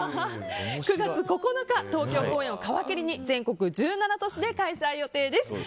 ９月９日、東京公演を皮切りに全国１７都市で開催予定です。